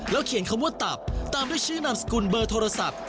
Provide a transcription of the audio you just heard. เขียนคำว่าตับตามด้วยชื่อนามสกุลเบอร์โทรศัพท์